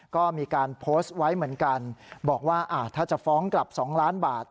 ก็มีการโพสต์ไว้เหมือนกันบอกว่าถ้าจะฟ้องกลับ๒ล้านบาท